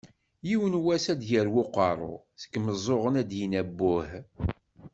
"Yiwen wass ad d-yarew uqerru, seg yimeẓẓuɣen ad d-yini abbuh.